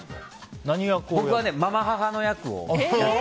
僕は継母の役を。